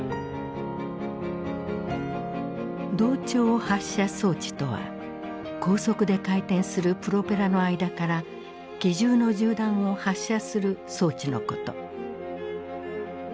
同調発射装置とは高速で回転するプロペラの間から機銃の銃弾を発射する装置のこと。